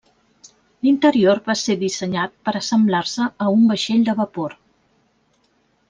L'interior va ser dissenyat per assemblar-se a un vaixell de vapor.